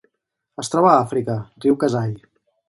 Es troba a Àfrica: riu Kasai.